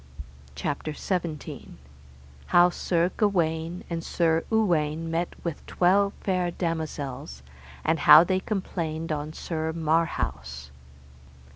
CHAPTER XVII. How Sir Gawaine and Sir Uwaine met with twelve fair damosels, and how they complained on Sir Marhaus.